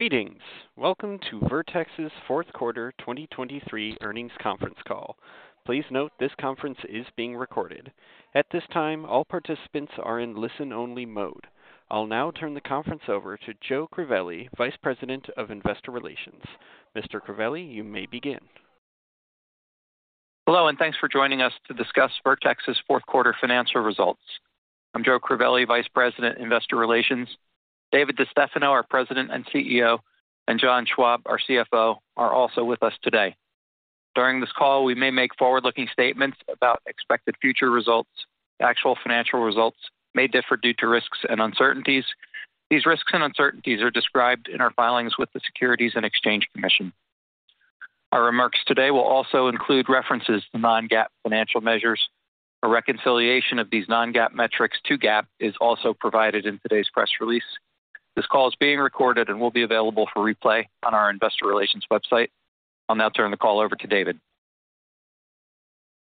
Greetings. Welcome to Vertex's Q4 2023 Earnings Conference Call. Please note this conference is being recorded. At this time, all participants are in listen-only mode. I'll now turn the conference over to Joe Crivelli, Vice President of Investor Relations. Mr. Crivelli, you may begin. Hello and thanks for joining us to discuss Vertex's Q4 financial results. I'm Joe Crivelli, Vice President, Investor Relations. David DeStefano, our President and CEO, and John Schwab, our CFO, are also with us today. During this call, we may make forward-looking statements about expected future results. Actual financial results may differ due to risks and uncertainties. These risks and uncertainties are described in our filings with the Securities and Exchange Commission. Our remarks today will also include references to non-GAAP financial measures. A reconciliation of these non-GAAP metrics to GAAP is also provided in today's press release. This call is being recorded and will be available for replay on our Investor Relations website. I'll now turn the call over to David.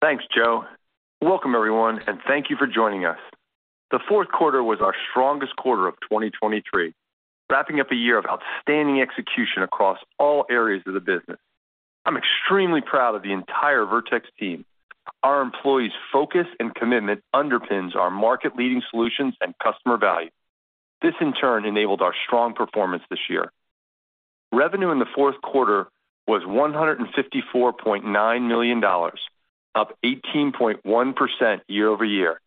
Thanks, Joe. Welcome, everyone, and thank you for joining us. The Q4 was our strongest quarter of 2023, wrapping up a year of outstanding execution across all areas of the business. I'm extremely proud of the entire Vertex team. Our employees' focus and commitment underpins our market-leading solutions and customer value. This, in turn, enabled our strong performance this year. Revenue in the Q4 was $154.9 million, up 18.1% year-over-year.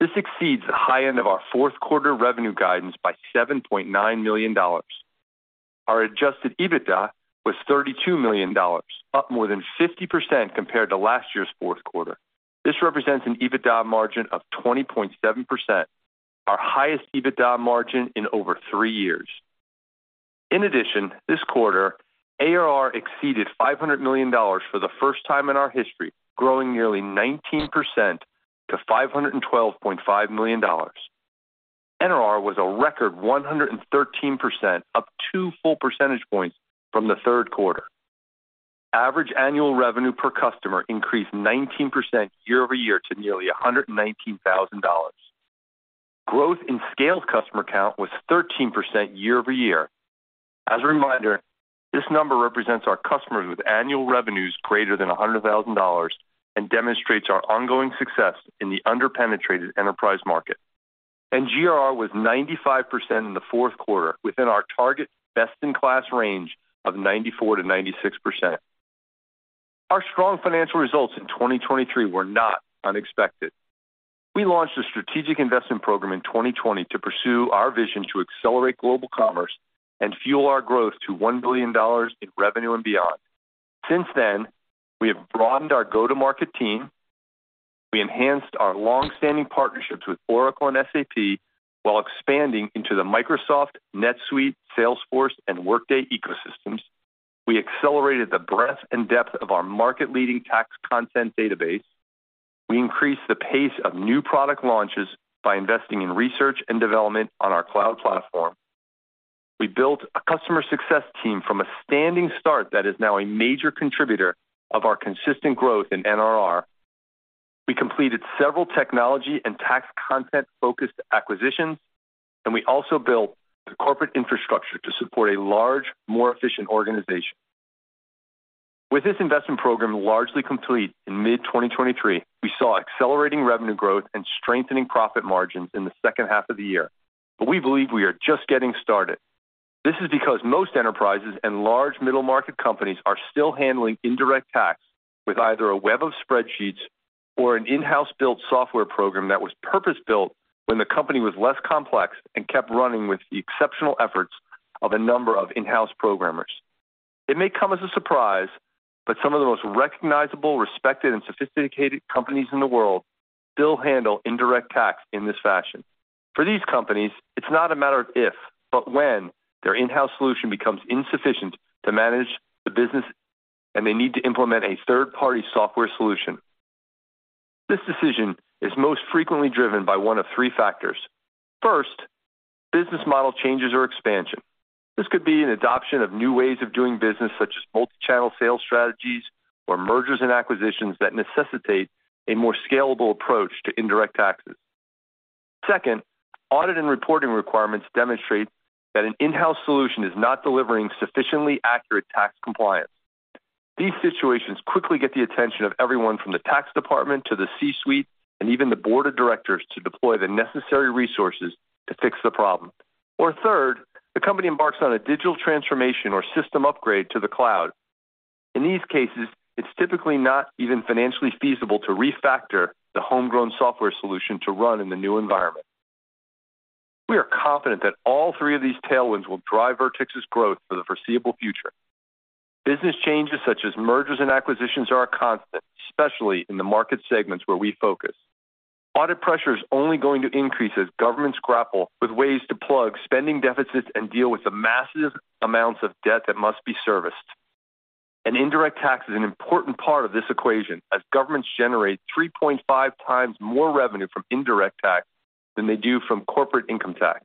This exceeds the high end of our Q4 revenue guidance by $7.9 million. Our adjusted EBITDA was $32 million, up more than 50% compared to last year's Q4. This represents an EBITDA margin of 20.7%, our highest EBITDA margin in over three years. In addition, this quarter, ARR exceeded $500 million for the first time in our history, growing nearly 19% to $512.5 million. NRR was a record 113%, up two full percentage points from the Q3. Average annual revenue per customer increased 19% year-over-year to nearly $119,000. Growth in scale customer count was 13% year-over-year. As a reminder, this number represents our customers with annual revenues greater than $100,000 and demonstrates our ongoing success in the under-penetrated enterprise market. And GRR was 95% in the Q4, within our target best-in-class range of 94%-96%. Our strong financial results in 2023 were not unexpected. We launched a strategic investment program in 2020 to pursue our vision to accelerate global commerce and fuel our growth to $1 billion in revenue and beyond. Since then, we have broadened our go-to-market team. We enhanced our longstanding partnerships with Oracle and SAP while expanding into the Microsoft, NetSuite, Salesforce, and Workday ecosystems. We accelerated the breadth and depth of our market-leading tax content database. We increased the pace of new product launches by investing in research and development on our cloud platform. We built a customer success team from a standing start that is now a major contributor of our consistent growth in NRR. We completed several technology and tax content-focused acquisitions, and we also built the corporate infrastructure to support a large, more efficient organization. With this investment program largely complete in mid-2023, we saw accelerating revenue growth and strengthening profit margins in the second half of the year. But we believe we are just getting started. This is because most enterprises and large middle-market companies are still handling indirect tax with either a web of spreadsheets or an in-house-built software program that was purpose-built when the company was less complex and kept running with the exceptional efforts of a number of in-house programmers. It may come as a surprise, but some of the most recognizable, respected, and sophisticated companies in the world still handle indirect tax in this fashion. For these companies, it's not a matter of if, but when their in-house solution becomes insufficient to manage the business and they need to implement a third-party software solution. This decision is most frequently driven by one of three factors. First, business model changes or expansion. This could be an adoption of new ways of doing business, such as multi-channel sales strategies or mergers and acquisitions that necessitate a more scalable approach to indirect taxes. Second, audit and reporting requirements demonstrate that an in-house solution is not delivering sufficiently accurate tax compliance. These situations quickly get the attention of everyone from the tax department to the C-suite and even the board of directors to deploy the necessary resources to fix the problem. Or third, the company embarks on a digital transformation or system upgrade to the cloud. In these cases, it's typically not even financially feasible to refactor the homegrown software solution to run in the new environment. We are confident that all three of these tailwinds will drive Vertex's growth for the foreseeable future. Business changes such as mergers and acquisitions are a constant, especially in the market segments where we focus. Audit pressure is only going to increase as governments grapple with ways to plug spending deficits and deal with the massive amounts of debt that must be serviced. Indirect tax is an important part of this equation, as governments generate 3.5 times more revenue from indirect tax than they do from corporate income tax.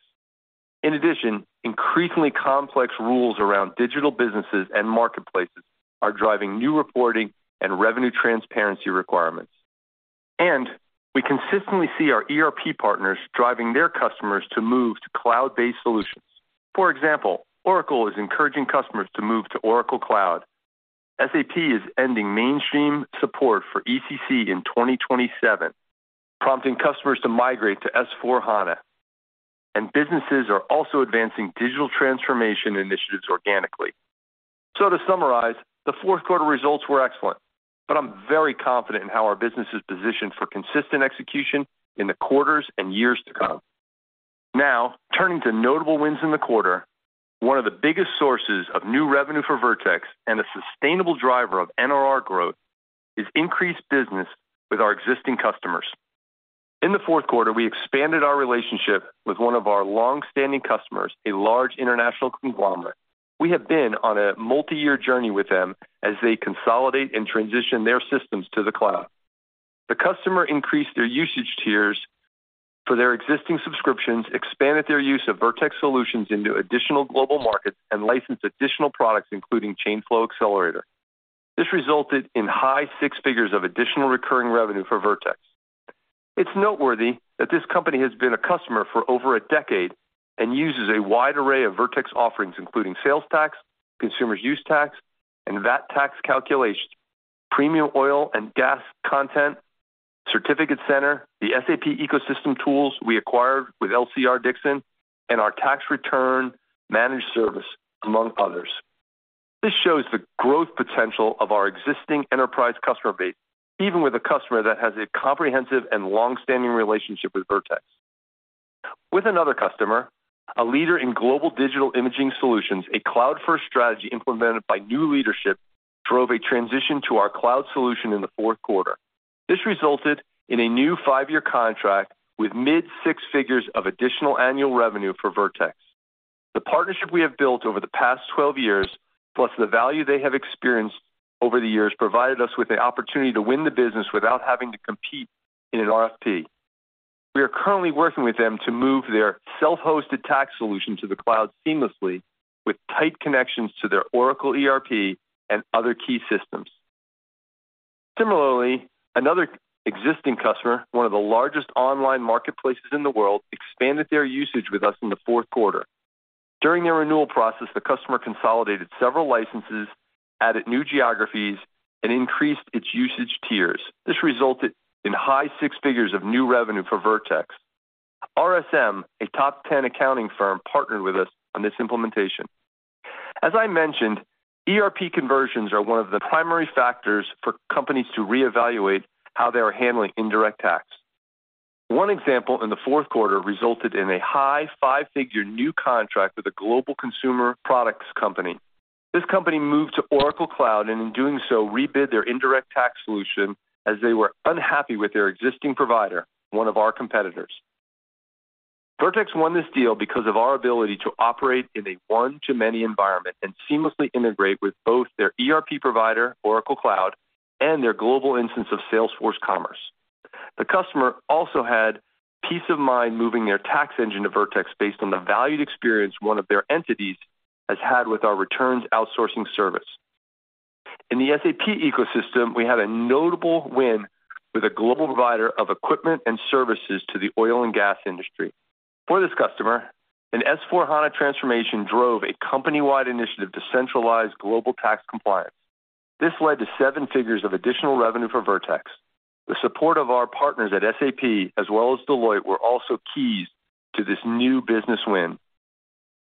In addition, increasingly complex rules around digital businesses and marketplaces are driving new reporting and revenue transparency requirements. We consistently see our ERP partners driving their customers to move to cloud-based solutions. For example, Oracle is encouraging customers to move to Oracle Cloud. SAP is ending mainstream support for ECC in 2027, prompting customers to migrate to S/4HANA. Businesses are also advancing digital transformation initiatives organically. To summarize, the Q4 results were excellent, but I'm very confident in how our business is positioned for consistent execution in the quarters and years to come. Now, turning to notable wins in the quarter, one of the biggest sources of new revenue for Vertex and a sustainable driver of NRR growth is increased business with our existing customers. In the Q4, we expanded our relationship with one of our longstanding customers, a large international conglomerate. We have been on a multi-year journey with them as they consolidate and transition their systems to the cloud. The customer increased their usage tiers for their existing subscriptions, expanded their use of Vertex solutions into additional global markets, and licensed additional products, including Chainflow Accelerator. This resulted in high six figures of additional recurring revenue for Vertex. It's noteworthy that this company has been a customer for over a decade and uses a wide array of Vertex offerings, including sales tax, consumer use tax, and VAT tax calculations, premium oil and gas content, Certificate Center, the SAP ecosystem tools we acquired with LCR-Dixon, and our tax return managed service, among others. This shows the growth potential of our existing enterprise customer base, even with a customer that has a comprehensive and longstanding relationship with Vertex. With another customer, a leader in global digital imaging solutions, a cloud-first strategy implemented by new leadership drove a transition to our cloud solution in the Q4. This resulted in a new five-year contract with mid-six figures of additional annual revenue for Vertex. The partnership we have built over the past 12 years, plus the value they have experienced over the years, provided us with an opportunity to win the business without having to compete in an RFP. We are currently working with them to move their self-hosted tax solution to the cloud seamlessly, with tight connections to their Oracle ERP and other key systems. Similarly, another existing customer, one of the largest online marketplaces in the world, expanded their usage with us in the Q4. During their renewal process, the customer consolidated several licenses, added new geographies, and increased its usage tiers. This resulted in high six figures of new revenue for Vertex. RSM, a top 10 accounting firm, partnered with us on this implementation. As I mentioned, ERP conversions are one of the primary factors for companies to reevaluate how they are handling indirect tax. One example in the Q4 resulted in a high five-figure new contract with a global consumer products company. This company moved to Oracle Cloud and, in doing so, rebid their indirect tax solution as they were unhappy with their existing provider, one of our competitors. Vertex won this deal because of our ability to operate in a one-to-many environment and seamlessly integrate with both their ERP provider, Oracle Cloud, and their global instance of Salesforce Commerce. The customer also had peace of mind moving their tax engine to Vertex based on the valued experience one of their entities has had with our returns outsourcing service. In the SAP ecosystem, we had a notable win with a global provider of equipment and services to the oil and gas industry. For this customer, an S/4HANA transformation drove a company-wide initiative to centralize global tax compliance. This led to seven figures of additional revenue for Vertex. The support of our partners at SAP as well as Deloitte were also keys to this new business win.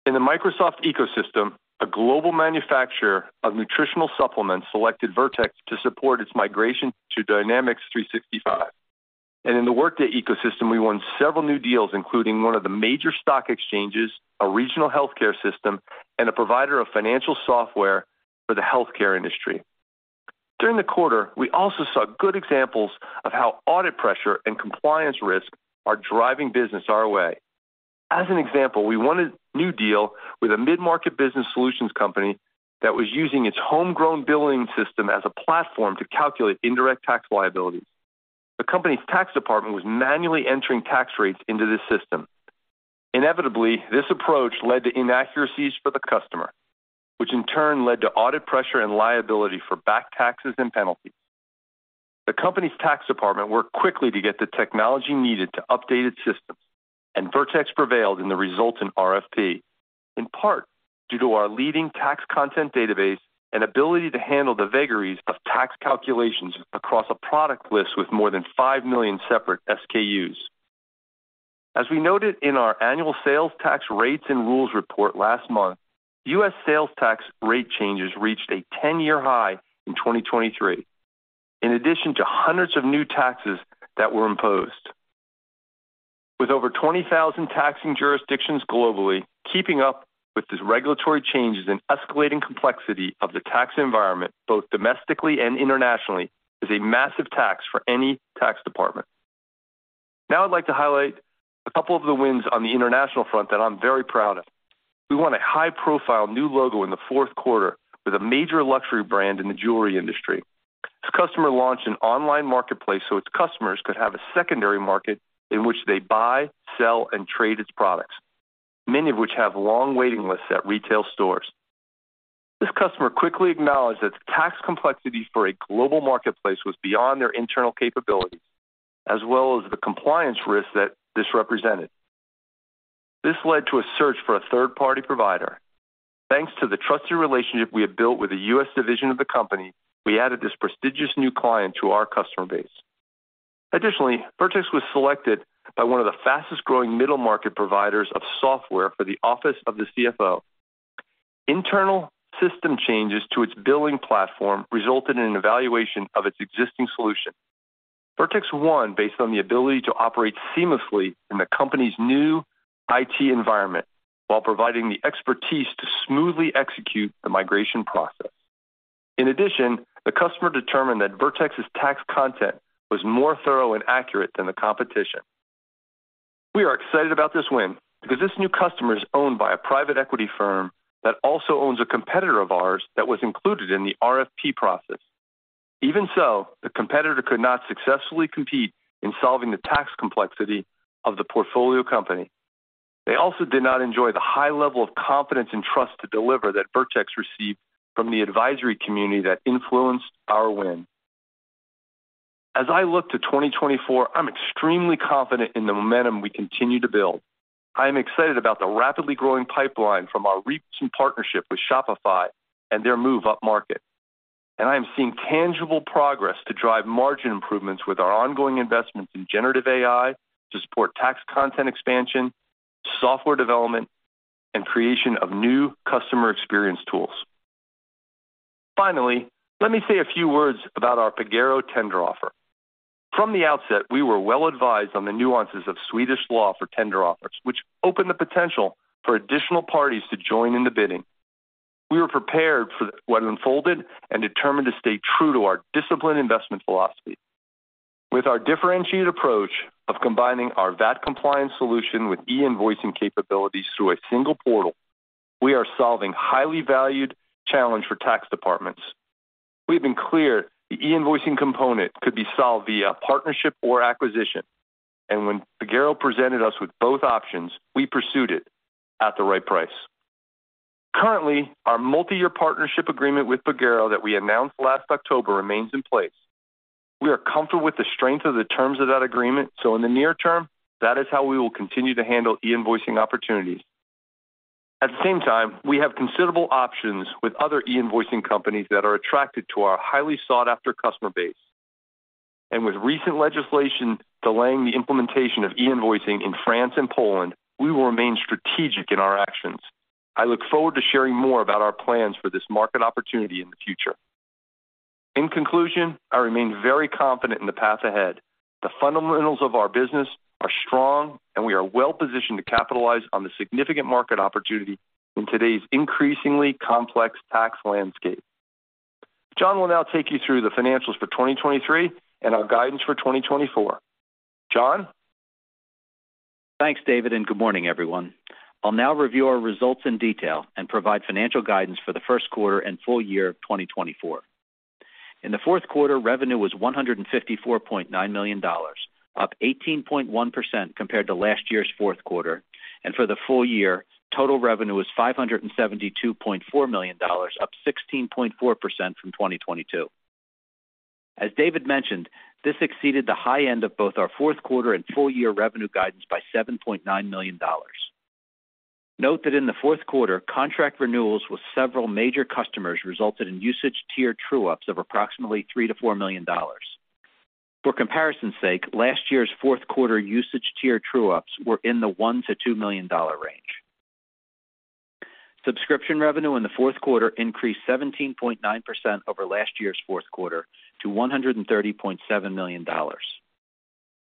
In the Microsoft ecosystem, a global manufacturer of nutritional supplements selected Vertex to support its migration to Dynamics 365. In the Workday ecosystem, we won several new deals, including one of the major stock exchanges, a regional healthcare system, and a provider of financial software for the healthcare industry. During the quarter, we also saw good examples of how audit pressure and compliance risk are driving business our way. As an example, we won a new deal with a mid-market business solutions company that was using its homegrown billing system as a platform to calculate indirect tax liabilities. The company's tax department was manually entering tax rates into this system. Inevitably, this approach led to inaccuracies for the customer, which in turn led to audit pressure and liability for back taxes and penalties. The company's tax department worked quickly to get the technology needed to update its systems, and Vertex prevailed in the resultant RFP, in part due to our leading tax content database and ability to handle the vagaries of tax calculations across a product list with more than 5 million separate SKUs. As we noted in our annual sales tax rates and rules report last month, U.S. sales tax rate changes reached a 10-year high in 2023, in addition to hundreds of new taxes that were imposed. With over 20,000 taxing jurisdictions globally keeping up with these regulatory changes and escalating complexity of the tax environment, both domestically and internationally, is a massive tax for any tax department. Now I'd like to highlight a couple of the wins on the international front that I'm very proud of. We won a high-profile new logo in the Q4 with a major luxury brand in the jewelry industry. This customer launched an online marketplace so its customers could have a secondary market in which they buy, sell, and trade its products, many of which have long waiting lists at retail stores. This customer quickly acknowledged that the tax complexity for a global marketplace was beyond their internal capabilities, as well as the compliance risks that this represented. This led to a search for a third-party provider. Thanks to the trusted relationship we had built with the U.S. division of the company, we added this prestigious new client to our customer base. Additionally, Vertex was selected by one of the fastest-growing middle-market providers of software for the office of the CFO. Internal system changes to its billing platform resulted in an evaluation of its existing solution. Vertex won based on the ability to operate seamlessly in the company's new IT environment while providing the expertise to smoothly execute the migration process. In addition, the customer determined that Vertex's tax content was more thorough and accurate than the competition. We are excited about this win because this new customer is owned by a private equity firm that also owns a competitor of ours that was included in the RFP process. Even so, the competitor could not successfully compete in solving the tax complexity of the portfolio company. They also did not enjoy the high level of confidence and trust to deliver that Vertex received from the advisory community that influenced our win. As I look to 2024, I'm extremely confident in the momentum we continue to build. I am excited about the rapidly growing pipeline from our recent partnership with Shopify and their move upmarket. I am seeing tangible progress to drive margin improvements with our ongoing investments in generative AI to support tax content expansion, software development, and creation of new customer experience tools. Finally, let me say a few words about our Pagero tender offer. From the outset, we were well advised on the nuances of Swedish law for tender offers, which opened the potential for additional parties to join in the bidding. We were prepared for what unfolded and determined to stay true to our disciplined investment philosophy. With our differentiated approach of combining our VAT compliance solution with e-invoicing capabilities through a single portal, we are solving highly valued challenges for tax departments. We have been clear the e-invoicing component could be solved via partnership or acquisition. When Pagero presented us with both options, we pursued it at the right price. Currently, our multi-year partnership agreement with Pagero that we announced last October remains in place. We are comfortable with the strength of the terms of that agreement, so in the near term, that is how we will continue to handle e-invoicing opportunities. At the same time, we have considerable options with other e-invoicing companies that are attracted to our highly sought-after customer base. And with recent legislation delaying the implementation of e-invoicing in France and Poland, we will remain strategic in our actions. I look forward to sharing more about our plans for this market opportunity in the future. In conclusion, I remain very confident in the path ahead. The fundamentals of our business are strong, and we are well positioned to capitalize on the significant market opportunity in today's increasingly complex tax landscape. John will now take you through the financials for 2023 and our guidance for 2024. John? Thanks, David, and good morning, everyone. I'll now review our results in detail and provide financial guidance for the Q1 and full year of 2024. In the Q4, revenue was $154.9 million, up 18.1% compared to last year's Q4. For the full year, total revenue was $572.4 million, up 16.4% from 2022. As David mentioned, this exceeded the high end of both our Q4 and full year revenue guidance by $7.9 million. Note that in the Q4, contract renewals with several major customers resulted in usage tier true-ups of approximately $3-$4 million. For comparison's sake, last year's Q4 usage tier true-ups were in the $1-$2 million range. Subscription revenue in the Q4 increased 17.9% over last year's Q4 to $130.7 million.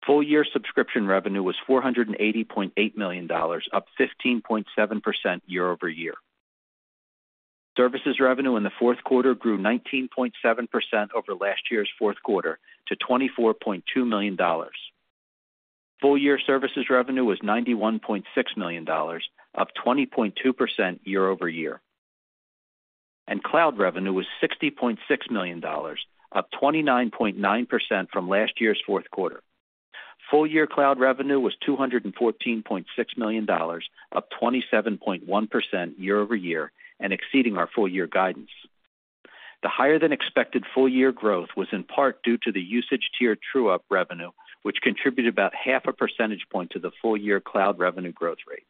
Full year subscription revenue was $480.8 million, up 15.7% year over year. Services revenue in the Q4 grew 19.7% over last year's Q4 to $24.2 million. Full year services revenue was $91.6 million, up 20.2% year-over-year. Cloud revenue was $60.6 million, up 29.9% from last year's Q4. Full year cloud revenue was $214.6 million, up 27.1% year-over-year, and exceeding our full year guidance. The higher-than-expected full year growth was in part due to the usage tier true-up revenue, which contributed about half a percentage point to the full year cloud revenue growth rate.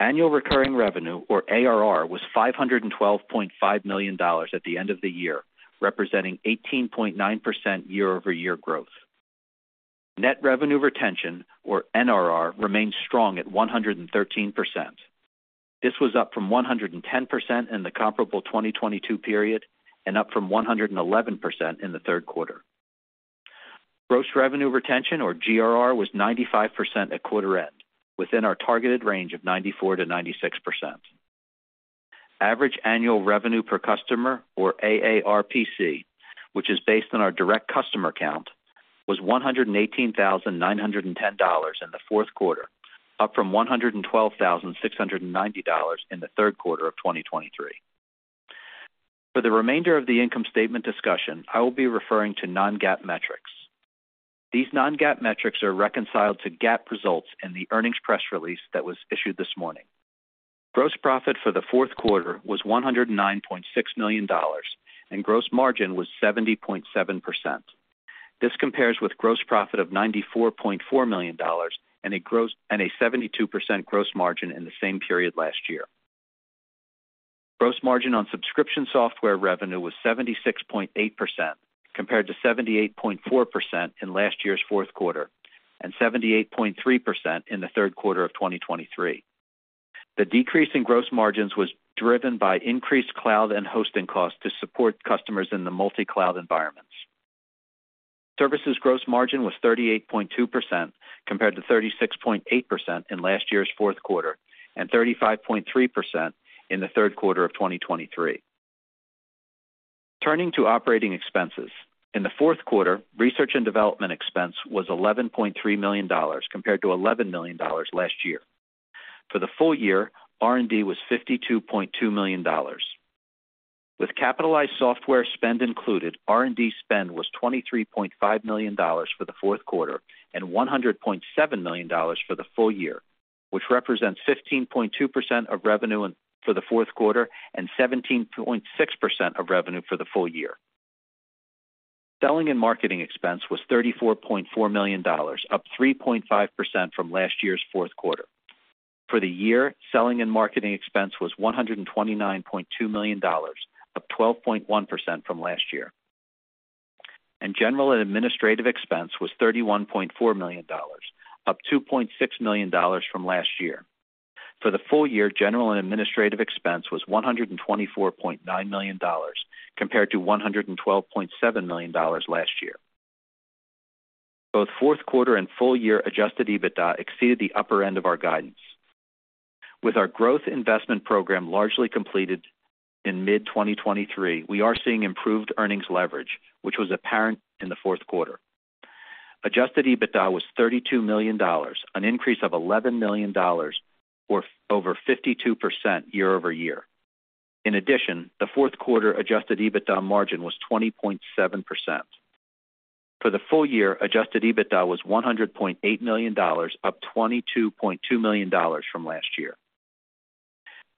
Annual recurring revenue, or ARR, was $512.5 million at the end of the year, representing 18.9% year-over-year growth. Net revenue retention, or NRR, remained strong at 113%. This was up from 110% in the comparable 2022 period and up from 111% in the Q3. Gross revenue retention, or GRR, was 95% at quarter end, within our targeted range of 94%-96%. Average annual revenue per customer, or AARPC, which is based on our direct customer count, was $118,910 in the Q4, up from $112,690 in the Q3 of 2023. For the remainder of the income statement discussion, I will be referring to non-GAAP metrics. These non-GAAP metrics are reconciled to GAAP results in the earnings press release that was issued this morning. Gross profit for the Q4 was $109.6 million, and gross margin was 70.7%. This compares with gross profit of $94.4 million and a 72% gross margin in the same period last year. Gross margin on subscription software revenue was 76.8%, compared to 78.4% in last year's Q4 and 78.3% in the Q3 of 2023. The decrease in gross margins was driven by increased cloud and hosting costs to support customers in the multi-cloud environments. Services gross margin was 38.2%, compared to 36.8% in last year's Q4 and 35.3% in the Q3 of 2023. Turning to operating expenses. In the Q4, Research and Development expense was $11.3 million, compared to $11 million last year. For the full year, R&D was $52.2 million. With capitalized software spend included, R&D spend was $23.5 million for the Q4 and $100.7 million for the full year, which represents 15.2% of revenue for the Q4 and 17.6% of revenue for the full year. Selling and Marketing expense was $34.4 million, up 3.5% from last year's Q4. For the year, Selling and Marketing expense was $129.2 million, up 12.1% from last year. General and administrative expense was $31.4 million, up $2.6 million from last year. For the full year, general and administrative expense was $124.9 million, compared to $112.7 million last year. Both Q4 and full year adjusted EBITDA exceeded the upper end of our guidance. With our growth investment program largely completed in mid-2023, we are seeing improved earnings leverage, which was apparent in the Q4. Adjusted EBITDA was $32 million, an increase of $11 million over 52% year-over-year. In addition, the Q4 adjusted EBITDA margin was 20.7%. For the full year, adjusted EBITDA was $100.8 million, up $22.2 million from last year.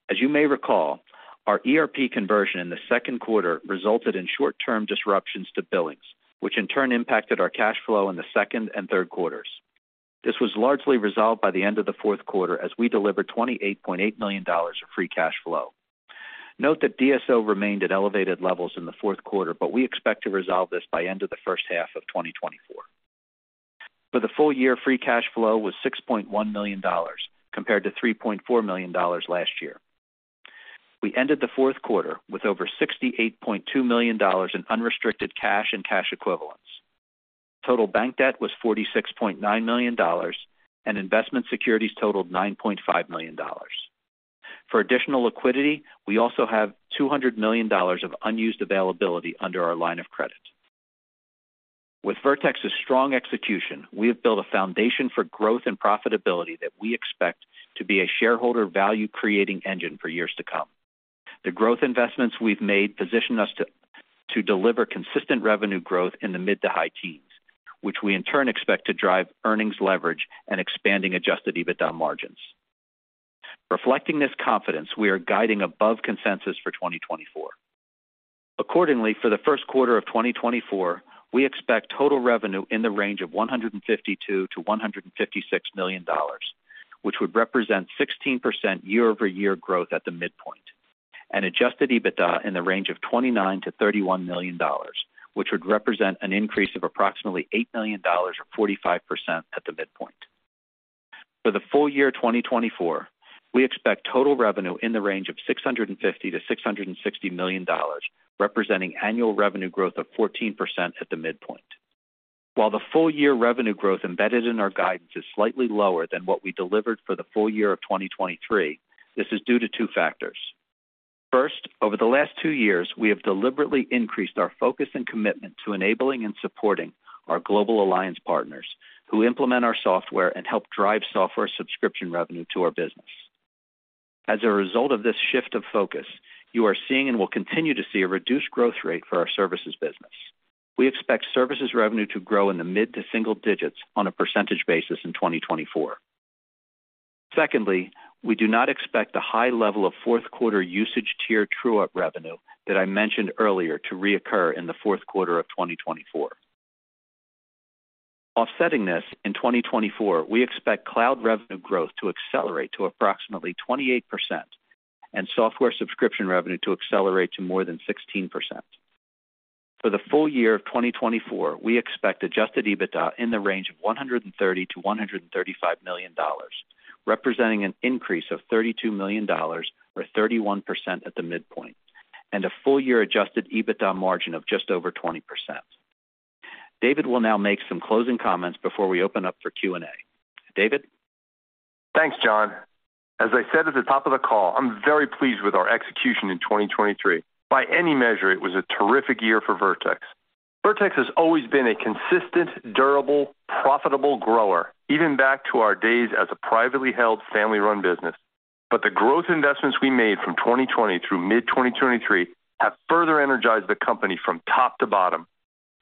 As you may recall, our ERP conversion in the Q2 resulted in short-term disruptions to billings, which in turn impacted our cash flow in the second and third quarters. This was largely resolved by the end of the Q4 as we delivered $28.8 million of free cash flow. Note that DSO remained at elevated levels in the Q4, but we expect to resolve this by end of the first half of 2024. For the full year, free cash flow was $6.1 million, compared to $3.4 million last year. We ended the Q4 with over $68.2 million in unrestricted cash and cash equivalents. Total bank debt was $46.9 million, and investment securities totaled $9.5 million. For additional liquidity, we also have $200 million of unused availability under our line of credit. With Vertex's strong execution, we have built a foundation for growth and profitability that we expect to be a shareholder value-creating engine for years to come. The growth investments we've made position us to deliver consistent revenue growth in the mid to high teens, which we in turn expect to drive earnings leverage and expanding Adjusted EBITDA margins. Reflecting this confidence, we are guiding above consensus for 2024. Accordingly, for the Q1 of 2024, we expect total revenue in the range of $152-$156 million, which would represent 16% year-over-year growth at the midpoint, and Adjusted EBITDA in the range of $29-$31 million, which would represent an increase of approximately $8 million or 45% at the midpoint. For the full year 2024, we expect total revenue in the range of $650-$660 million, representing annual revenue growth of 14% at the midpoint. While the full-year revenue growth embedded in our guidance is slightly lower than what we delivered for the full year of 2023, this is due to two factors. First, over the last two years, we have deliberately increased our focus and commitment to enabling and supporting our global alliance partners, who implement our software and help drive software subscription revenue to our business. As a result of this shift of focus, you are seeing and will continue to see a reduced growth rate for our services business. We expect services revenue to grow in the mid- to single-digit percentages in 2024. Secondly, we do not expect the high level of Q4 usage tier true-up revenue that I mentioned earlier to reoccur in the Q4 of 2024. Offsetting this, in 2024, we expect cloud revenue growth to accelerate to approximately 28% and software subscription revenue to accelerate to more than 16%. For the full year of 2024, we expect adjusted EBITDA in the range of $130-$135 million, representing an increase of $32 million or 31% at the midpoint, and a full year adjusted EBITDA margin of just over 20%. David will now make some closing comments before we open up for Q&A. David? Thanks, John. As I said at the top of the call, I'm very pleased with our execution in 2023. By any measure, it was a terrific year for Vertex. Vertex has always been a consistent, durable, profitable grower, even back to our days as a privately held, family-run business. But the growth investments we made from 2020 through mid-2023 have further energized the company from top to bottom.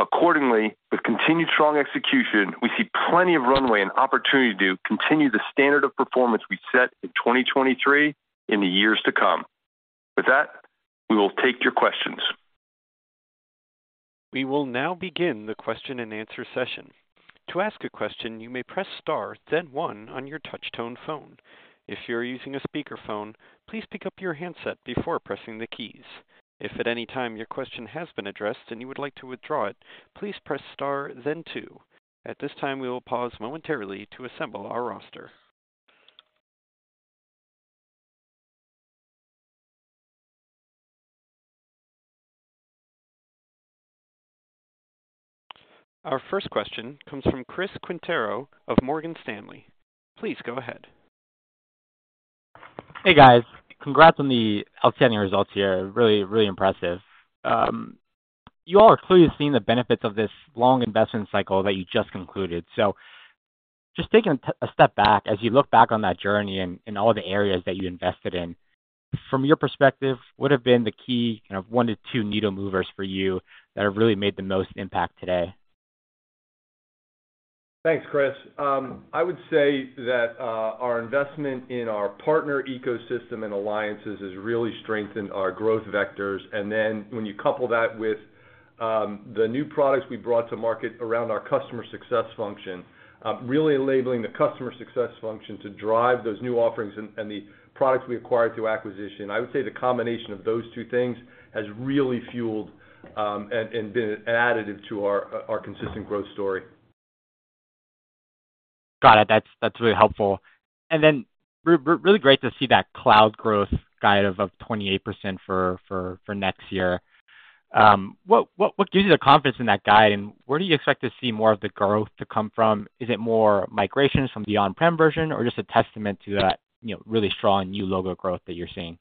Accordingly, with continued strong execution, we see plenty of runway and opportunity to continue the standard of performance we set in 2023 in the years to come. With that, we will take your questions. We will now begin the question-and-answer session. To ask a question, you may press star, then one, on your touch-tone phone. If you're using a speakerphone, please pick up your handset before pressing the keys. If at any time your question has been addressed and you would like to withdraw it, please press star, then two. At this time, we will pause momentarily to assemble our roster. Our first question comes from Chris Quintero of Morgan Stanley. Please go ahead. Hey, guys. Congrats on the outstanding results here. Really, really impressive. You all are clearly seeing the benefits of this long investment cycle that you just concluded. So just taking a step back, as you look back on that journey and all the areas that you invested in, from your perspective, what have been the key one to two needle movers for you that have really made the most impact today? Thanks, Chris. I would say that our investment in our partner ecosystem and alliances has really strengthened our growth vectors. And then when you couple that with the new products we brought to market around our customer success function, really enabling the customer success function to drive those new offerings and the products we acquired through acquisition, I would say the combination of those two things has really fueled and been an additive to our consistent growth story. Got it. That's really helpful. And then really great to see that cloud growth guide of 28% for next year. What gives you the confidence in that guide, and where do you expect to see more of the growth to come from? Is it more migrations from the on-prem version, or just a testament to that really strong new logo growth that you're seeing?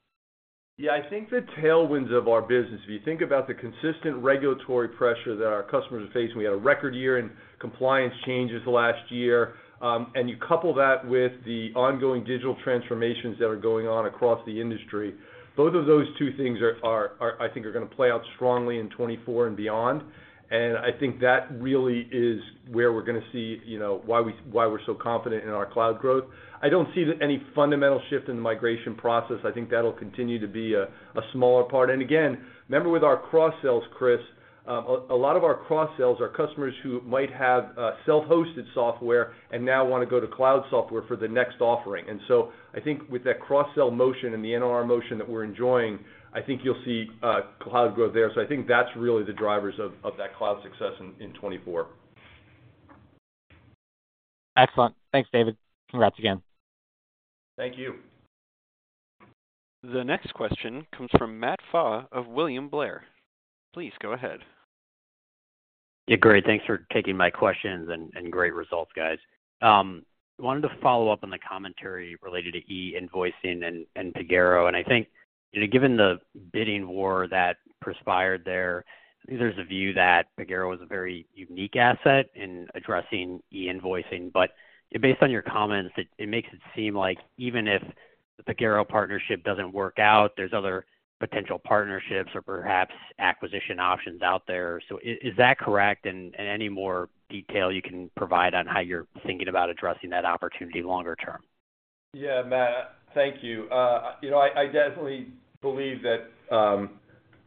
Yeah. I think the tailwinds of our business, if you think about the consistent regulatory pressure that our customers are facing, we had a record year in compliance changes last year, and you couple that with the ongoing digital transformations that are going on across the industry, both of those two things, I think, are going to play out strongly in 2024 and beyond. And I think that really is where we're going to see why we're so confident in our cloud growth. I don't see any fundamental shift in the migration process. I think that'll continue to be a smaller part. And again, remember with our cross-sales, Chris, a lot of our cross-sales are customers who might have self-hosted software and now want to go to cloud software for the next offering. And so I think with that cross-sale motion and the NRR motion that we're enjoying, I think you'll see cloud growth there. So I think that's really the drivers of that cloud success in 2024. Excellent. Thanks, David. Congrats again. Thank you. The next question comes from Matt Pfau of William Blair. Please go ahead. Yeah, great. Thanks for taking my questions and great results, guys. I wanted to follow up on the commentary related to e-invoicing and Pagero. And I think given the bidding war that transpired there, I think there's a view that Pagero is a very unique asset in addressing e-invoicing. But based on your comments, it makes it seem like even if the Pagero partnership doesn't work out, there's other potential partnerships or perhaps acquisition options out there. So is that correct? And any more detail you can provide on how you're thinking about addressing that opportunity longer term? Yeah, Matt, thank you. I definitely believe that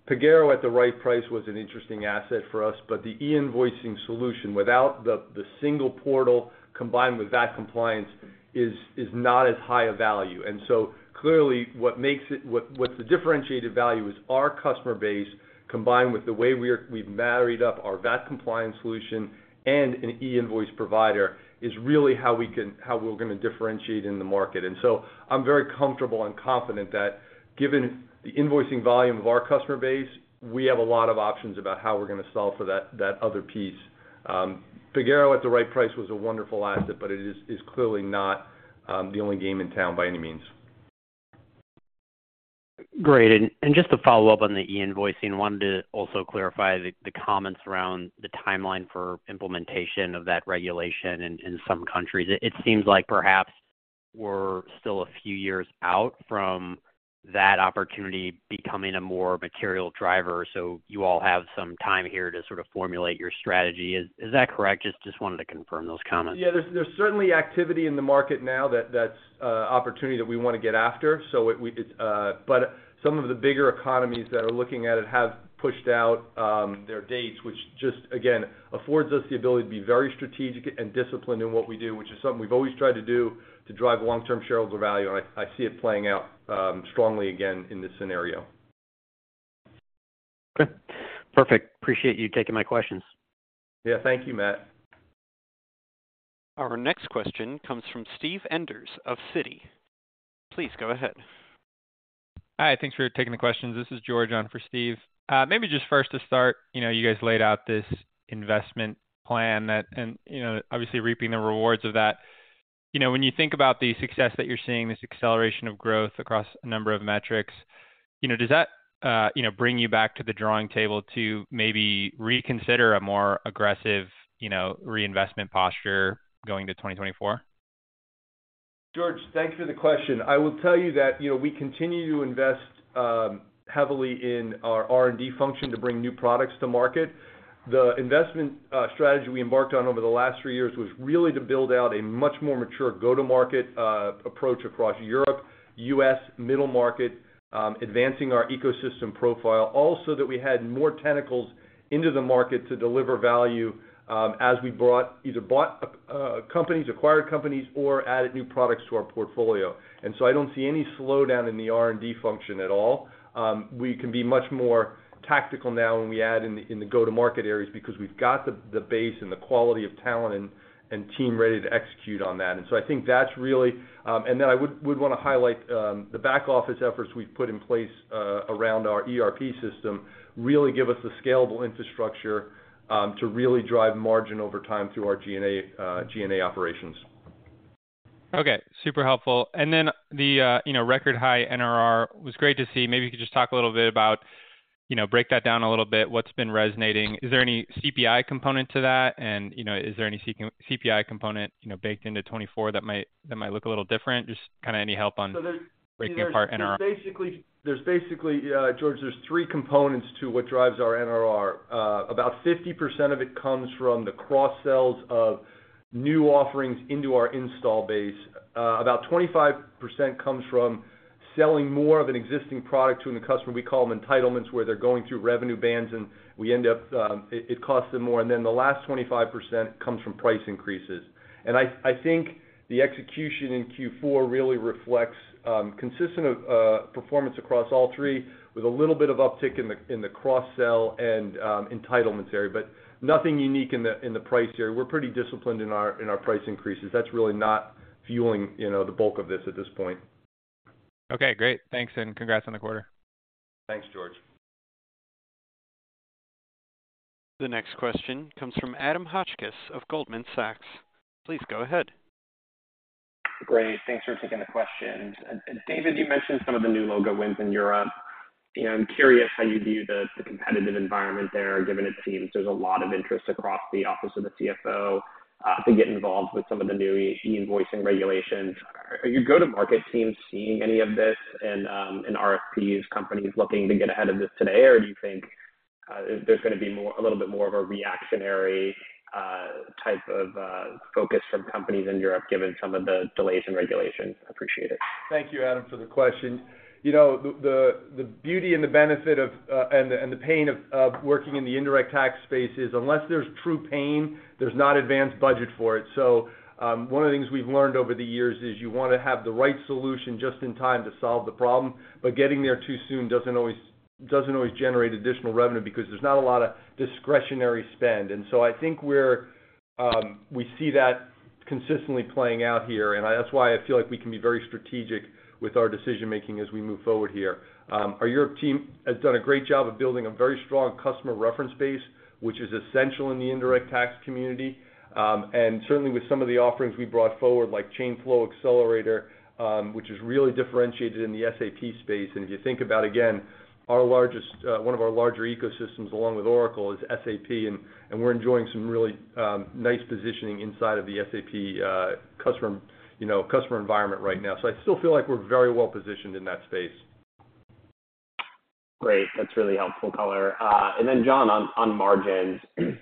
Pagero at the right price was an interesting asset for us. But the e-invoicing solution without the single portal combined with VAT compliance is not as high of value. So clearly, what makes it what's the differentiated value is our customer base combined with the way we've married up our VAT compliance solution and an e-invoice provider is really how we're going to differentiate in the market. So I'm very comfortable and confident that given the invoicing volume of our customer base, we have a lot of options about how we're going to solve for that other piece. Pagero at the right price was a wonderful asset, but it is clearly not the only game in town by any means. Great. And just to follow up on the e-invoicing, wanted to also clarify the comments around the timeline for implementation of that regulation in some countries. It seems like perhaps we're still a few years out from that opportunity becoming a more material driver. So you all have some time here to sort of formulate your strategy. Is that correct? Just wanted to confirm those comments. Yeah. There's certainly activity in the market now that's an opportunity that we want to get after. But some of the bigger economies that are looking at it have pushed out their dates, which just, again, affords us the ability to be very strategic and disciplined in what we do, which is something we've always tried to do to drive long-term shareholder value. And I see it playing out strongly again in this scenario. Okay. Perfect. Appreciate you taking my questions. Yeah. Thank you, Matt. Our next question comes from Steve Enders of Citi. Please go ahead. Hi. Thanks for taking the questions. This is George, on for Steve. Maybe just first to start, you guys laid out this investment plan and obviously reaping the rewards of that. When you think about the success that you're seeing, this acceleration of growth across a number of metrics, does that bring you back to the drawing table to maybe reconsider a more aggressive reinvestment posture going to 2024? George, thank you for the question. I will tell you that we continue to invest heavily in our R&D function to bring new products to market. The investment strategy we embarked on over the last three years was really to build out a much more mature go-to-market approach across Europe, U.S., middle market, advancing our ecosystem profile all so that we had more tentacles into the market to deliver value as we either bought companies, acquired companies, or added new products to our portfolio. And so I don't see any slowdown in the R&D function at all. We can be much more tactical now when we add in the go-to-market areas because we've got the base and the quality of talent and team ready to execute on that. So I think that's really, and then I would want to highlight the back-office efforts we've put in place around our ERP system, really give us the scalable infrastructure to really drive margin over time through our G&A operations. Okay. Super helpful. The record high NRR was great to see. Maybe you could just talk a little bit about break that down a little bit, what's been resonating. Is there any CPI component to that? And is there any CPI component baked into 2024 that might look a little different? Just kind of any help on breaking apart NRR. There's basically, George, three components to what drives our NRR. About 50% of it comes from the cross-sales of new offerings into our install base. About 25% comes from selling more of an existing product to a new customer. We call them entitlements where they're going through revenue bands, and it costs them more. And then the last 25% comes from price increases. And I think the execution in Q4 really reflects consistent performance across all three with a little bit of uptick in the cross-sale and entitlements area, but nothing unique in the price area. We're pretty disciplined in our price increases. That's really not fueling the bulk of this at this point. Okay. Great. Thanks, and congrats on the quarter. Thanks, George. The next question comes from Adam Hotchkiss of Goldman Sachs. Please go ahead. Great. Thanks for taking the questions. David, you mentioned some of the new logo wins in Europe. I'm curious how you view the competitive environment there, given it seems there's a lot of interest across the office of the CFO to get involved with some of the new e-invoicing regulations. Are your go-to-market teams seeing any of this in RFPs, companies looking to get ahead of this today, or do you think there's going to be a little bit more of a reactionary type of focus from companies in Europe, given some of the delays in regulations? I appreciate it. Thank you, Adam, for the question. The beauty and the benefit and the pain of working in the indirect tax space is unless there's true pain, there's not advanced budget for it. So one of the things we've learned over the years is you want to have the right solution just in time to solve the problem, but getting there too soon doesn't always generate additional revenue because there's not a lot of discretionary spend. And so I think we see that consistently playing out here. And that's why I feel like we can be very strategic with our decision-making as we move forward here. Our Europe team has done a great job of building a very strong customer reference base, which is essential in the indirect tax community. Certainly, with some of the offerings we brought forward like Chainflow Accelerator, which is really differentiated in the SAP space. If you think about it, again, one of our larger ecosystems along with Oracle is SAP. We're enjoying some really nice positioning inside of the SAP customer environment right now. I still feel like we're very well positioned in that space. Great. That's really helpful color. And then, John, on margins,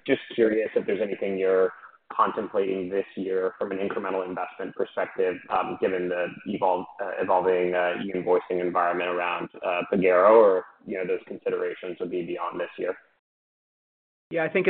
just curious if there's anything you're contemplating this year from an incremental investment perspective, given the evolving e-invoicing environment around Pagero, or those considerations would be beyond this year? Yeah. I think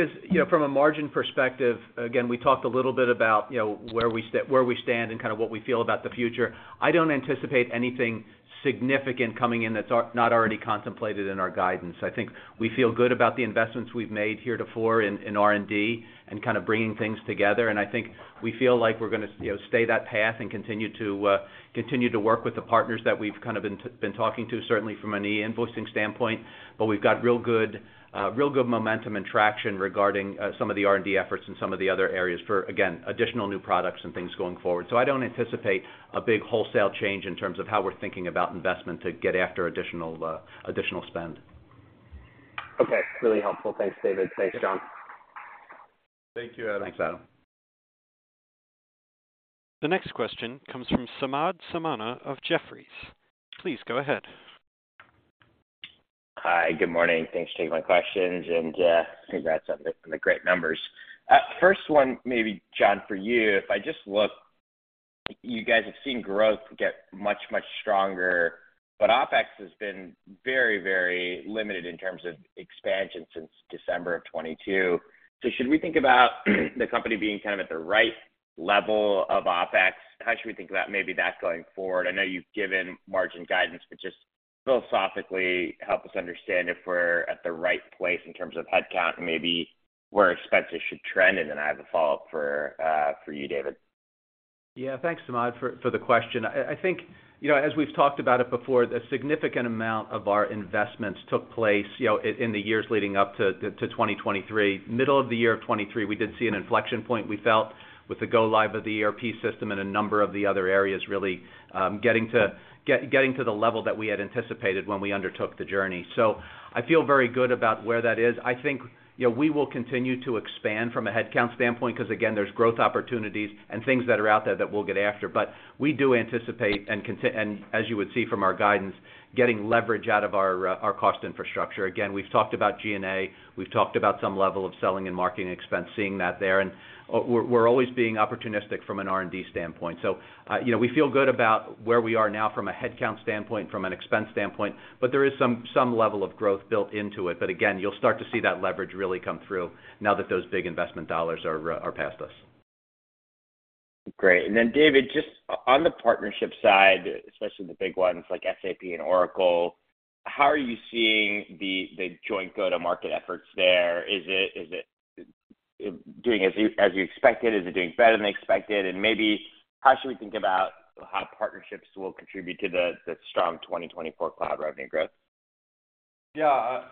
from a margin perspective, again, we talked a little bit about where we stand and kind of what we feel about the future. I don't anticipate anything significant coming in that's not already contemplated in our guidance. I think we feel good about the investments we've made here to date in R&D and kind of bringing things together. And I think we feel like we're going to stay the path and continue to work with the partners that we've kind of been talking to, certainly from an e-invoicing standpoint. But we've got real good momentum and traction regarding some of the R&D efforts and some of the other areas for, again, additional new products and things going forward. So I don't anticipate a big wholesale change in terms of how we're thinking about investment to get after additional spend. Okay. Really helpful. Thanks, David. Thanks, John. Thank you, Adam. Thanks, Adam. The next question comes from Samad Samana of Jefferies. Please go ahead. Hi. Good morning. Thanks for taking my questions, and congrats on the great numbers. First one, maybe, John, for you. If I just look, you guys have seen growth get much, much stronger, but OpEx has been very, very limited in terms of expansion since December of 2022. So should we think about the company being kind of at the right level of OpEx? How should we think about maybe that going forward? I know you've given margin guidance, but just philosophically, help us understand if we're at the right place in terms of headcount and maybe where expenses should trend. And then I have a follow-up for you, David. Yeah. Thanks, Samad, for the question. I think as we've talked about it before, a significant amount of our investments took place in the years leading up to 2023. Middle of the year of 2023, we did see an inflection point, we felt, with the go-live of the ERP system and a number of the other areas really getting to the level that we had anticipated when we undertook the journey. So I feel very good about where that is. I think we will continue to expand from a headcount standpoint because, again, there's growth opportunities and things that are out there that we'll get after. But we do anticipate, and as you would see from our guidance, getting leverage out of our cost infrastructure. Again, we've talked about G&A. We've talked about some level of selling and marketing expense, seeing that there. We're always being opportunistic from an R&D standpoint. We feel good about where we are now from a headcount standpoint, from an expense standpoint, but there is some level of growth built into it. Again, you'll start to see that leverage really come through now that those big investment dollars are past us. Great. And then, David, just on the partnership side, especially the big ones like SAP and Oracle, how are you seeing the joint go-to-market efforts there? Is it doing as you expected? Is it doing better than expected? And maybe how should we think about how partnerships will contribute to the strong 2024 cloud revenue growth? Yeah.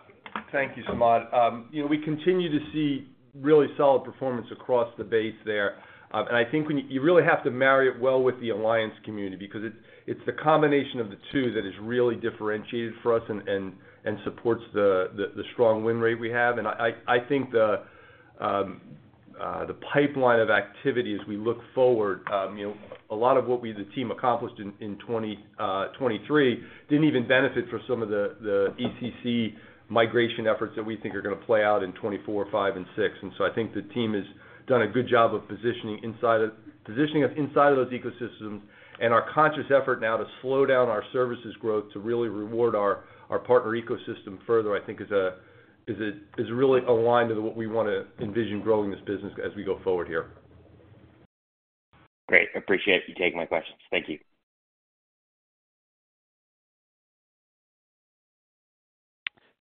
Thank you, Samad. We continue to see really solid performance across the base there. I think you really have to marry it well with the alliance community because it's the combination of the two that is really differentiated for us and supports the strong win rate we have. I think the pipeline of activity as we look forward, a lot of what the team accomplished in 2023 didn't even benefit from some of the ECC migration efforts that we think are going to play out in 2024, 2025, and 2026. So I think the team has done a good job of positioning us inside of those ecosystems. Our conscious effort now to slow down our services growth to really reward our partner ecosystem further, I think, is really aligned to what we want to envision growing this business as we go forward here. Great. Appreciate you taking my questions. Thank you.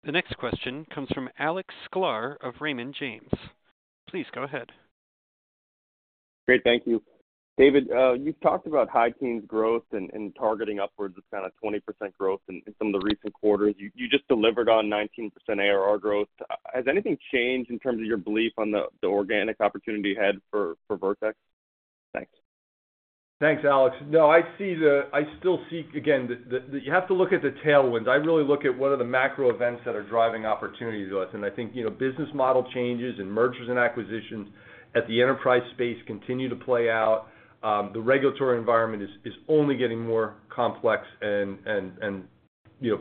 The next question comes from Alex Sklar of Raymond James. Please go ahead. Great. Thank you. David, you've talked about Hygene's growth and targeting upwards of kind of 20% growth in some of the recent quarters. You just delivered on 19% ARR growth. Has anything changed in terms of your belief on the organic opportunity ahead for Vertex? Thanks. Thanks, Alex. No, I still see, again, you have to look at the tailwinds. I really look at what are the macro events that are driving opportunities to us. And I think business model changes and mergers and acquisitions at the enterprise space continue to play out. The regulatory environment is only getting more complex and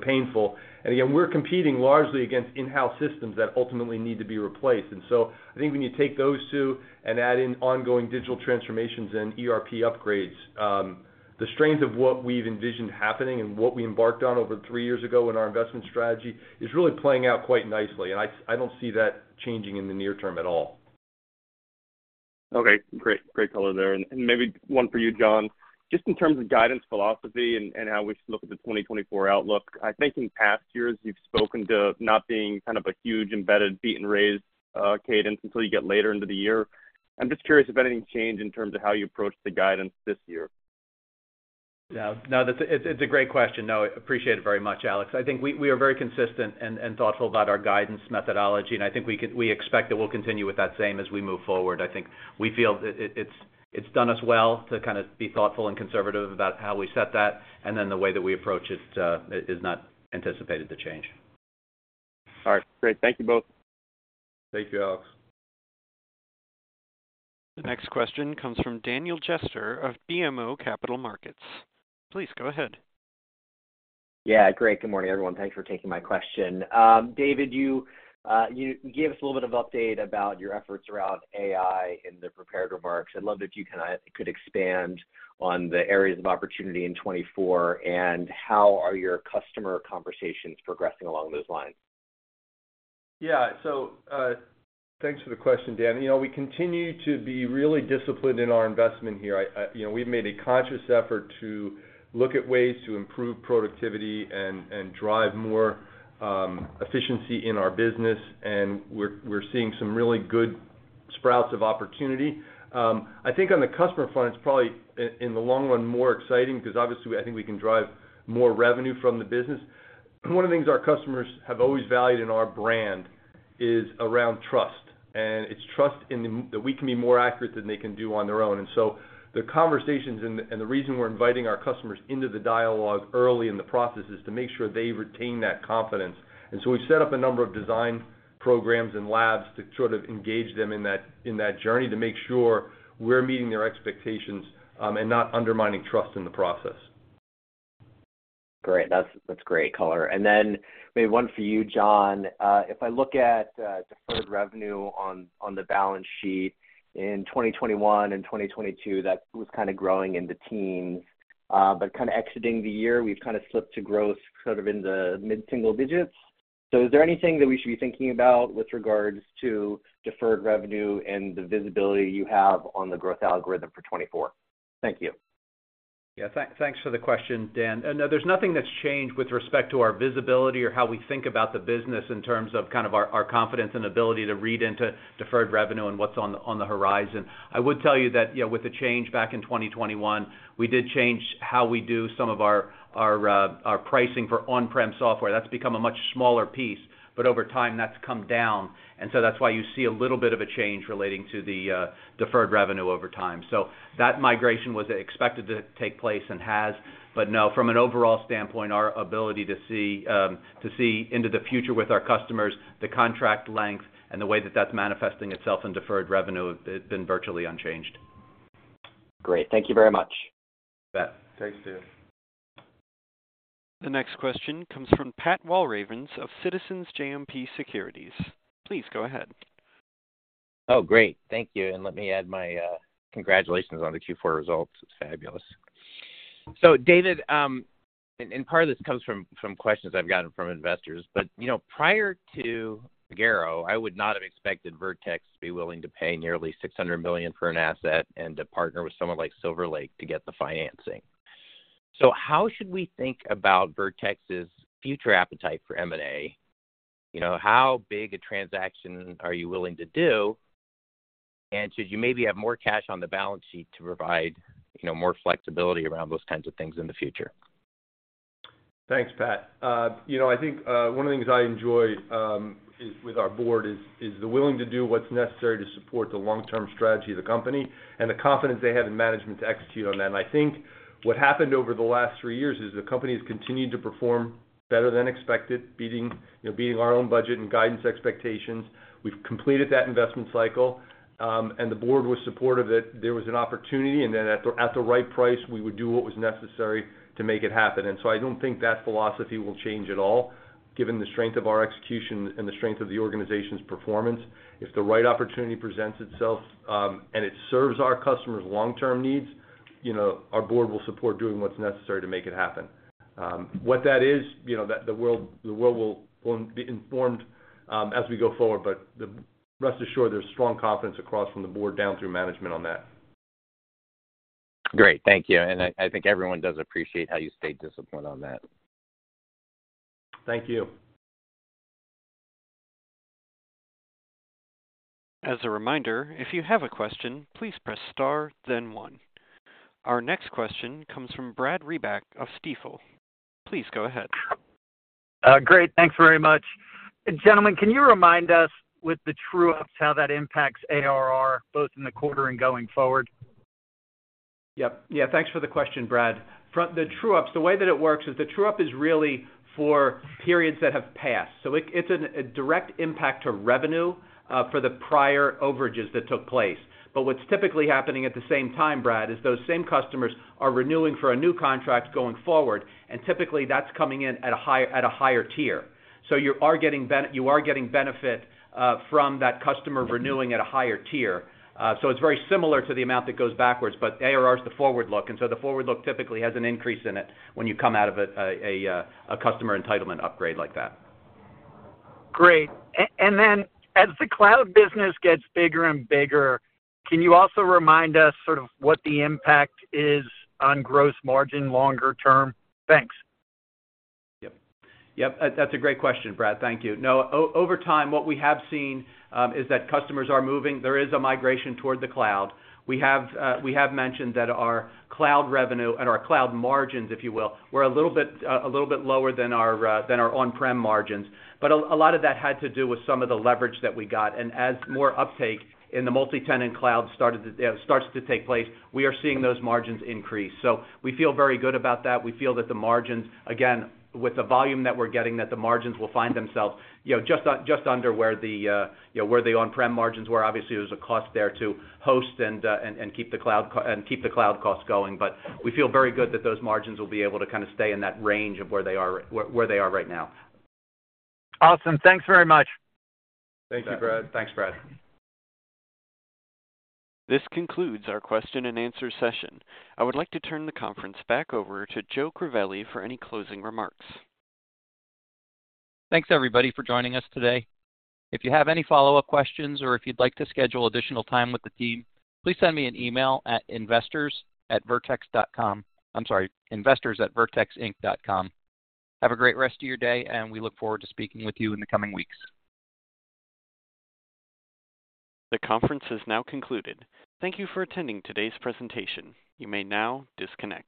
painful. And again, we're competing largely against in-house systems that ultimately need to be replaced. And so I think when you take those two and add in ongoing digital transformations and ERP upgrades, the strains of what we've envisioned happening and what we embarked on over three years ago in our investment strategy is really playing out quite nicely. And I don't see that changing in the near term at all. Okay. Great. Great color there. Maybe one for you, John. Just in terms of guidance philosophy and how we should look at the 2024 outlook, I think in past years, you've spoken to not being kind of a huge embedded beat-and-raise cadence until you get later into the year. I'm just curious if anything changed in terms of how you approach the guidance this year. No, it's a great question. No, I appreciate it very much, Alex. I think we are very consistent and thoughtful about our guidance methodology. And I think we expect that we'll continue with that same as we move forward. I think we feel it's done us well to kind of be thoughtful and conservative about how we set that. And then the way that we approach it is not anticipated to change. All right. Great. Thank you both. Thank you, Alex. The next question comes from Daniel Jester of BMO Capital Markets. Please go ahead. Yeah. Great. Good morning, everyone. Thanks for taking my question. David, you gave us a little bit of update about your efforts around AI in the prepared remarks. I'd love if you could expand on the areas of opportunity in 2024 and how are your customer conversations progressing along those lines? Yeah. So thanks for the question, Dan. We continue to be really disciplined in our investment here. We've made a conscious effort to look at ways to improve productivity and drive more efficiency in our business. And we're seeing some really good sprouts of opportunity. I think on the customer front, it's probably, in the long run, more exciting because, obviously, I think we can drive more revenue from the business. One of the things our customers have always valued in our brand is around trust. And it's trust that we can be more accurate than they can do on their own. And so the conversations and the reason we're inviting our customers into the dialogue early in the process is to make sure they retain that confidence. And so we've set up a number of design programs and labs to sort of engage them in that journey to make sure we're meeting their expectations and not undermining trust in the process. Great. That's great color. And then maybe one for you, John. If I look at deferred revenue on the balance sheet in 2021 and 2022, that was kind of growing in the teens. But kind of exiting the year, we've kind of slipped to growth sort of in the mid-single digits. So is there anything that we should be thinking about with regards to deferred revenue and the visibility you have on the growth algorithm for 2024? Thank you. Yeah. Thanks for the question, Dan. No, there's nothing that's changed with respect to our visibility or how we think about the business in terms of kind of our confidence and ability to read into deferred revenue and what's on the horizon. I would tell you that with the change back in 2021, we did change how we do some of our pricing for on-prem software. That's become a much smaller piece. But over time, that's come down. And so that's why you see a little bit of a change relating to the deferred revenue over time. So that migration was expected to take place and has. But no, from an overall standpoint, our ability to see into the future with our customers, the contract length, and the way that that's manifesting itself in deferred revenue has been virtually unchanged. Great. Thank you very much. Thanks, Dan. The next question comes from Pat Walravens of Citizens JMP Securities. Please go ahead. Oh, great. Thank you. And let me add my congratulations on the Q4 results. It's fabulous. So David, and part of this comes from questions I've gotten from investors. But prior to Pagero, I would not have expected Vertex to be willing to pay nearly $600 million for an asset and to partner with someone like Silver Lake to get the financing. So how should we think about Vertex's future appetite for M&A? How big a transaction are you willing to do? And should you maybe have more cash on the balance sheet to provide more flexibility around those kinds of things in the future? Thanks, Pat. I think one of the things I enjoy with our board is the willingness to do what's necessary to support the long-term strategy of the company and the confidence they have in management to execute on that. I think what happened over the last three years is the company has continued to perform better than expected, beating our own budget and guidance expectations. We've completed that investment cycle. The board was supportive that there was an opportunity. Then at the right price, we would do what was necessary to make it happen. So I don't think that philosophy will change at all, given the strength of our execution and the strength of the organization's performance. If the right opportunity presents itself and it serves our customers' long-term needs, our board will support doing what's necessary to make it happen. What that is, the world will be informed as we go forward. But rest assured, there's strong confidence across from the board down through management on that. Great. Thank you. I think everyone does appreciate how you stayed disciplined on that. Thank you. As a reminder, if you have a question, please press star, then one. Our next question comes from Brad Reback of Stifel. Please go ahead. Great. Thanks very much. Gentlemen, can you remind us with the true-ups how that impacts ARR, both in the quarter and going forward? Yep. Yeah. Thanks for the question, Brad. The true-ups, the way that it works is the true-up is really for periods that have passed. So it's a direct impact to revenue for the prior overages that took place. But what's typically happening at the same time, Brad, is those same customers are renewing for a new contract going forward. And typically, that's coming in at a higher tier. So you are getting benefit from that customer renewing at a higher tier. So it's very similar to the amount that goes backwards. But ARR is the forward look. And so the forward look typically has an increase in it when you come out of a customer entitlement upgrade like that. Great. Then as the cloud business gets bigger and bigger, can you also remind us sort of what the impact is on gross margin longer term? Thanks. Yep. Yep. That's a great question, Brad. Thank you. No, over time, what we have seen is that customers are moving. There is a migration toward the cloud. We have mentioned that our cloud revenue and our cloud margins, if you will, were a little bit lower than our on-prem margins. But a lot of that had to do with some of the leverage that we got. And as more uptake in the multi-tenant cloud starts to take place, we are seeing those margins increase. So we feel very good about that. We feel that the margins, again, with the volume that we're getting, that the margins will find themselves just under where the on-prem margins were. Obviously, there was a cost there to host and keep the cloud costs going. We feel very good that those margins will be able to kind of stay in that range of where they are right now. Awesome. Thanks very much. Thank you, Brad. Thanks, Brad. This concludes our question-and-answer session. I would like to turn the conference back over to Joe Crivelli for any closing remarks. Thanks, everybody, for joining us today. If you have any follow-up questions or if you'd like to schedule additional time with the team, please send me an email at investors@vertex.com. I'm sorry, investors@vertexinc.com. Have a great rest of your day. We look forward to speaking with you in the coming weeks. The conference has now concluded. Thank you for attending today's presentation. You may now disconnect.